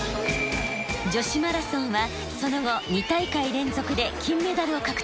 女子マラソンはその後２大会連続で金メダルを獲得しました。